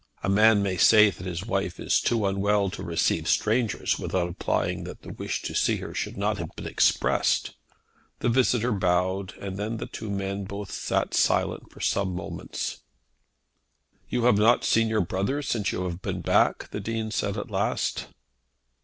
A man may say that his wife is too unwell to receive strangers without implying that the wish to see her should not have been expressed. The visitor bowed, and then the two men both sat silent for some moments. "You have not seen your brother since you have been back?" the Dean said at last.